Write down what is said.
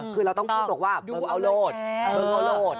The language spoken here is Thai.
คือเราต้องพูดออกว่าเบิ้งเอาโหลด